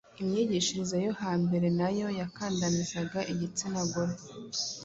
Imyigishirize yo hambere na yo yakandamizaga igitsina gore.